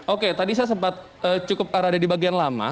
oke tadi saya sempat cukup ada di bagian lama